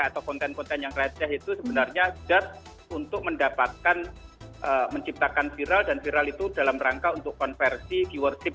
atau konten konten yang receh itu sebenarnya gus untuk mendapatkan menciptakan viral dan viral itu dalam rangka untuk konversi keywordship